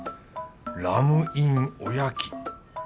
ラムインお焼き。